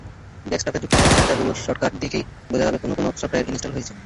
ডেস্কটপে যুক্ত হওয়া সফটওয়্যারগুলোর শর্টকাট দেখেই বোঝা যাবে কোন কোন সফটওয়্যার ইনস্টল হয়েছে।